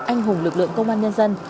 anh hùng lực lượng công an nhân dân